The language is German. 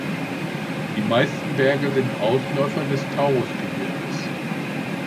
Die meisten Berge sind Ausläufer des Taurusgebirges.